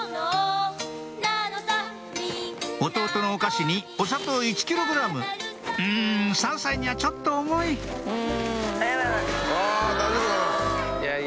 弟のお菓子にお砂糖１ｋｇうん３歳にはちょっと重いあ大丈夫かな？